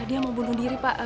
dia mau bunuh diri pak